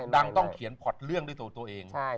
ต้องเขียนพอร์ตเรื่องด้วยตัวตัวเอง